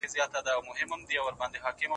ولې ملي سوداګر طبي درمل له هند څخه واردوي؟